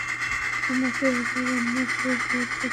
আমাকে ওরা রান্নাঘরে ফেরত পাঠিয়েছে।